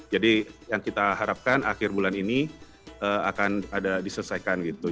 jadi yang kita harapkan akhir bulan ini akan ada diselesaikan gitu